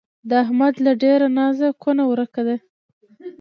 د احمد له ډېره نازه کونه ورکه ده